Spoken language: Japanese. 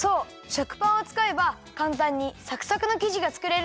食パンをつかえばかんたんにサクサクのきじがつくれるんだよ！